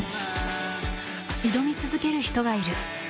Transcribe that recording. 挑み続ける人がいる。